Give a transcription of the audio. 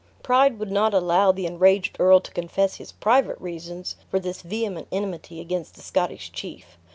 Pride would not allow the enraged earl to confess his private reasons for this vehement enmity against the Scottish chief.